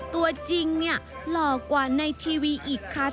ตัวจริงเนี่ยหล่อกว่าในทีวีอีกคัด